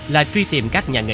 là truy tìm các nhà nghỉ